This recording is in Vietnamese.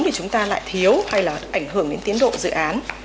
vì chúng ta lại thiếu hay là ảnh hưởng đến tiến độ dự án